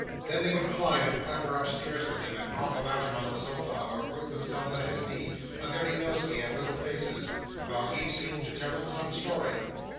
Then they would climb and clamber upstairs with him, and romp about him on the sofa, or group themselves at his knee, a very nosegay of little faces, while he seemed to tell them some story.